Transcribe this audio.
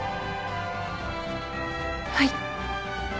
はい。